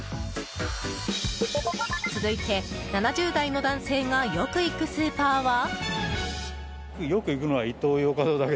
続いて、７０代の男性がよく行くスーパーは。